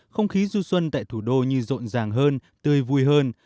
không khí du xuân tại thủ đô như rộn ràng hơn tươi vui hơn